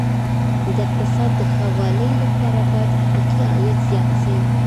د اقتصاد د ښه والي لپاره بايد حقيقي عايد زيات سي.